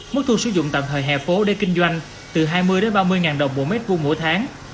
mức thu sử dụng tạm thời hè phố để kinh doanh từ hai mươi ba mươi ngàn đồng mỗi mét vuông mỗi tháng